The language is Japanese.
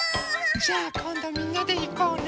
じゃあこんどみんなでいこうね。